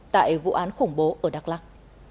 tại vụ án khủng bố ở đắk lắc